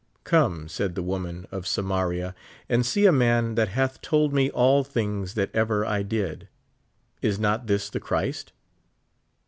Come, said the woman of Samaria, and see a man that hath told me all things that ever I did ; is not this the Christ